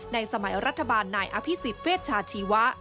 สมัยรัฐบาลนายอภิษฎเวชชาชีวะ